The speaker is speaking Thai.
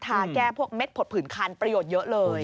ทาน้ำทาแก้พวกเม็ดพดผลิ้นคาลประโยชน์เยอะเลย